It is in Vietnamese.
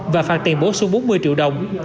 và phạt tiền bổ xuống bốn mươi triệu đồng